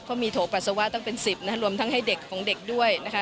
ก็มีโถปัสสาวะต้องเป็น๑๐รวมทั้งให้เด็กของเด็กด้วย